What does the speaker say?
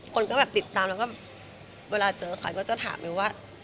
คนก็ติดตามแล้วก็เวลาเจอใครก็จะถามว่า